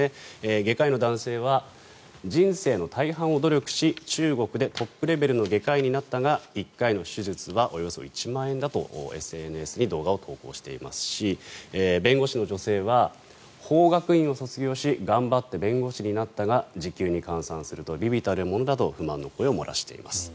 外科医の男性は人生の大半を努力し中国でトップレベルの外科医になったが１回の手術はおよそ１万円だとＳＮＳに動画を投稿していますし弁護士の女性は、法学院を卒業し頑張って弁護士になったが時給に換算すると微々たるものだと不満の声を漏らしています。